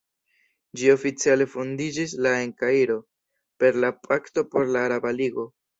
Ĝi oficiale fondiĝis la en Kairo, per la "Pakto por la Araba Ligo".